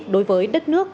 đối với đất nước